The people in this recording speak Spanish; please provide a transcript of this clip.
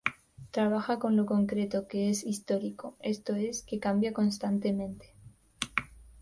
Trabaja con lo concreto, que es histórico, esto es, que cambia constantemente".